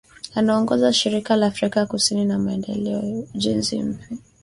Anaongoza Shirika la Afrika Kusini la Maendeleo na Ujenzi Mpya